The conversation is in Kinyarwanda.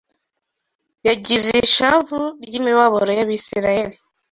yagize ishavu ry’imibabaro y’Abisirayeli